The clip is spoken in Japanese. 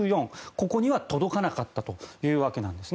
ここには届かなかったというわけなんです。